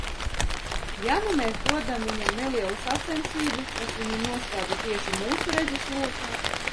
Ja nu mēs dodam viņam nelielu sacensību, kas viņu nostāda tieši mūsu redzeslokā?